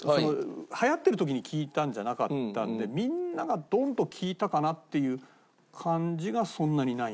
流行ってる時に聴いたんじゃなかったのでみんながドンと聴いたかなっていう感じがそんなにない。